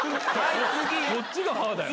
こっちが「はあ⁉」だよ！